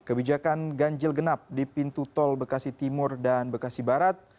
kebijakan ganjil genap di pintu tol bekasi timur dan bekasi barat